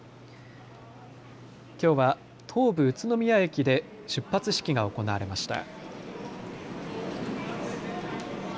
きょうは東武宇都宮駅で出発式が行われました。